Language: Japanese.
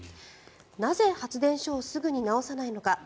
なぜ発電所をすぐに直さないのか。